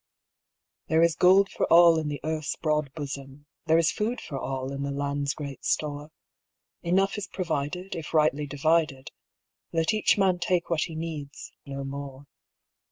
There is gold for all in the earth's broad bosom, There is food for all in the land's great store; Enough is provided if rightly divided; Let each man take what he needs no more.